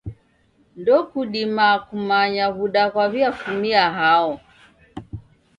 Ndokudima kumanya w'uda ghwaw'iafumia hao.